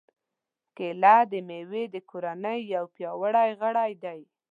کېله د مېوې د کورنۍ یو پیاوړی غړی دی.